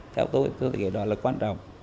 theo tôi cái đó là quan trọng